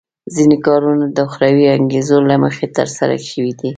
ځینې کارونه د اخروي انګېزو له مخې ترسره شوي دي.